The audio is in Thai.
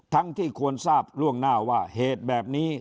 ที่ควรทราบล่วงหน้าว่าเหตุแบบนี้